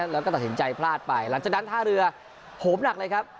แล้วก็ตัดสินใจพลาดไปหลังจากนั้นท่าเรือโหมหนักเลยครับ